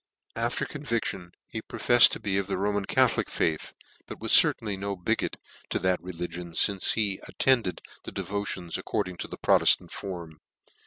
After conviction he profefied to be of the Ro man Catholic faith, but was certainly no bigot to that religion, fince he attended the devotions according to the Proteftant form.